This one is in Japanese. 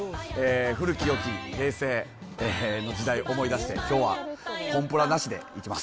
古きよき平成の時代、思い出して、きょうはコンプラなしでいきます。